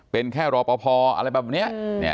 เป็นแค่รอปภอะไรแบบนี้